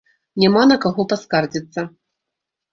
Няма на каго паскардзіцца.